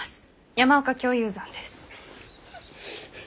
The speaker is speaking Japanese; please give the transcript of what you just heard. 山岡共有山です。